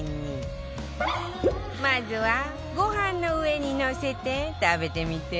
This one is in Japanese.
まずはご飯の上にのせて食べてみて